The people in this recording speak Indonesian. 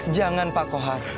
jangan pak kohar